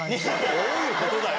どういう事だよ！